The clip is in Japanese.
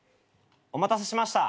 お待たせしました。